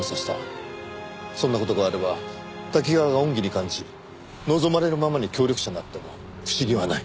そんな事があれば瀧川が恩義に感じ望まれるままに協力者になっても不思議はない。